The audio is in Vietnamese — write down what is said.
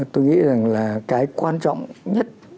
tôi nghĩ là cái quan trọng nhất